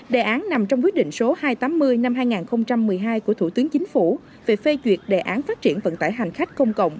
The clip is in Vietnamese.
đề án nằm trong quyết định số hai trăm tám mươi năm hai nghìn một mươi hai của thủ tướng chính phủ về phê duyệt đề án phát triển vận tải hành khách công cộng